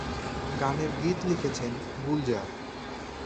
গানের গীত লিখেছেন গুলজার।